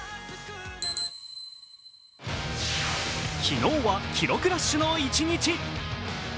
昨日は記録ラッシュの一日。